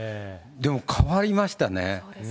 でも、変わりましたね。